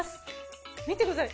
見てください。